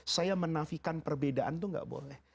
saya menafikan perbedaan itu gak boleh